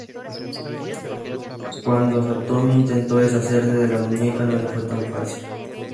Cuando Satomi intentó deshacerse de la muñeca no le fue tan fácil.